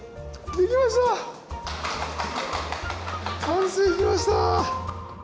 完成しました！